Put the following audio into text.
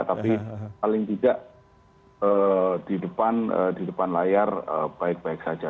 tapi paling tidak di depan layar baik baik saja